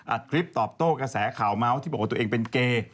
คลิปตอบโต้กระแสข่าวเมาส์ที่บอกว่าตัวเองเป็นเกย์